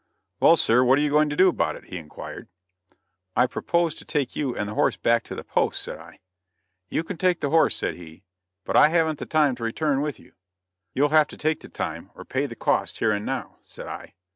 "Well, sir, what are you going to do about it?" he inquired. "I propose to take you and the horse back to the post," said I. "You can take the horse," said he, "but I haven't the time to return with you." "You'll have to take the time, or pay the costs here and now," said I.